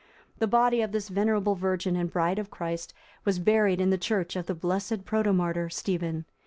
The body of this venerable virgin and bride of Christ was buried in the church of the blessed protomartyr, Stephen.